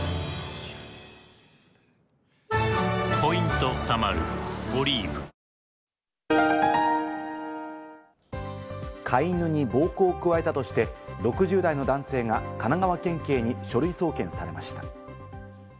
トーンアップ出た飼い犬に暴行を加えたとして、６０代の男性が神奈川県警に書類送検されました。